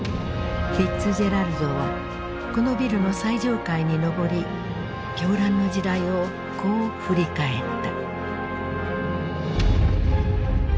フィッツジェラルドはこのビルの最上階に上り狂乱の時代をこう振り返った。